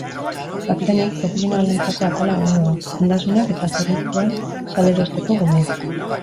Azkenik, profesionalentzako atala egongo da, ondasunak eta zerbitzual salerosteko gunea.